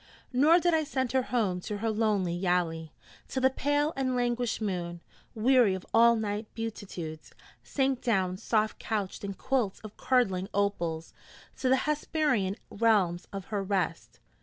Nor did I send her home to her lonely yali, till the pale and languished moon, weary of all night beatitudes, sank down soft couched in quilts of curdling opals to the Hesperian realms of her rest.